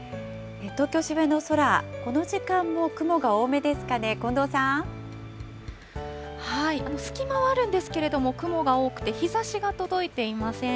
東京・渋谷の空、この時間も雲が隙間はあるんですけれども、雲が多くて、日ざしが届いていません。